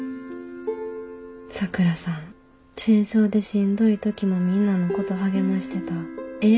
さくらさん戦争でしんどい時もみんなのこと励ましてたええ